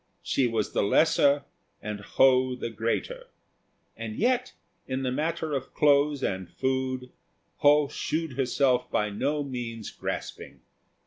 She was the lesser and Ho the greater; and yet in the matter of clothes and food Ho shewed herself by no means grasping.